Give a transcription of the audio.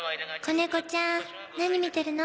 仔猫ちゃん何見てるの？